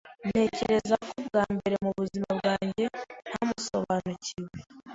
Ntekereza ko, bwa mbere mu buzima bwanjye, namusobanukiwe.